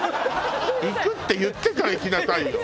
「行く」って言ってから行きなさいよ！